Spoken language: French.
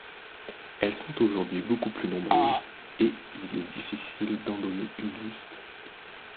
Elles sont aujourd'hui beaucoup plus nombreuses et il est difficile d'en donner une liste.